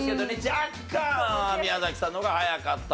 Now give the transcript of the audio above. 若干宮崎さんの方が早かったと。